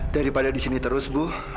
daripada di sini terus bu